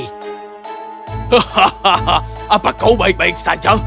hahaha apa kau baik baik saja